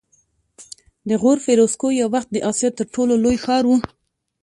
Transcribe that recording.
د غور فیروزکوه یو وخت د اسیا تر ټولو لوړ ښار و